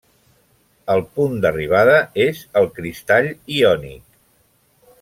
El punt d'arribada és el cristall iònic.